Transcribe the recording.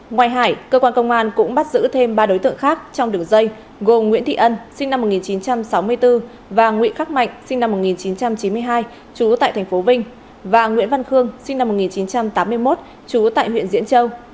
ngoài hải cơ quan công an cũng bắt giữ thêm ba đối tượng khác trong đường dây gồm nguyễn thị ân sinh năm một nghìn chín trăm sáu mươi bốn và nguyễn khắc mạnh sinh năm một nghìn chín trăm chín mươi hai trú tại tp vinh và nguyễn văn khương sinh năm một nghìn chín trăm tám mươi một trú tại huyện diễn châu